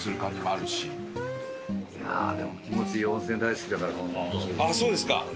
ああそうですか。